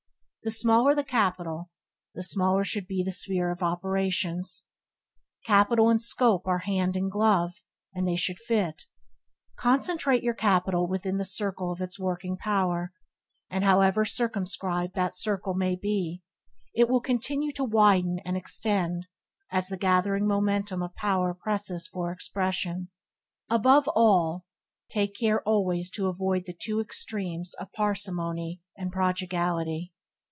The smaller the capital, the smaller should be the sphere of operations. Capital and scope are hand and glove, and they should fit. Concentrate your capital within the circle of its working power, and however circumscribed that circle may be it will continue to widen and extend as the gathering momentum of power presses for expression. Above all take care always to avoid the two extremes of parsimony and prodigality.